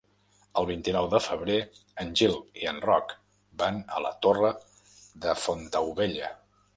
El vint-i-nou de febrer en Gil i en Roc van a la Torre de Fontaubella.